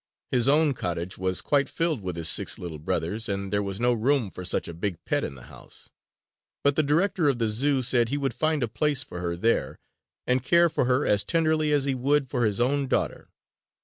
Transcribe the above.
His own cottage was quite filled with his six little brothers; and there was no room for such a big pet in the house. But the director of the Zoo said he would find a place for her there, and care for her as tenderly as he would for his own daughter.